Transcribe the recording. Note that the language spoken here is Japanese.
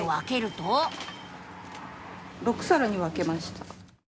・６さらに分けました。